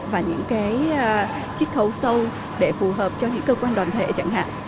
và những cái chích khấu sâu để phù hợp cho những cơ quan đoàn thể chẳng hạn